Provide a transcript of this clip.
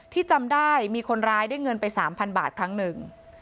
จำได้มีคนร้ายได้เงินไป๓๐๐บาทครั้งหนึ่ง